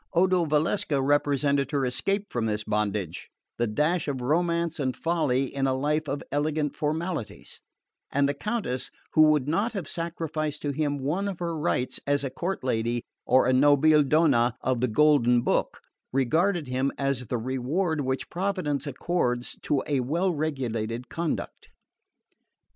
Odo Valsecca represented her escape from this bondage the dash of romance and folly in a life of elegant formalities; and the Countess, who would not have sacrificed to him one of her rights as a court lady or a nobil donna of the Golden Book, regarded him as the reward which Providence accords to a well regulated conduct.